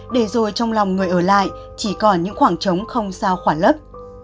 để rồi trong lòng người ở lại chỉ còn những khoảng trống không sao khỏa lấp